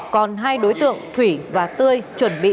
còn hai đối tượng thủy và tươi chuẩn bị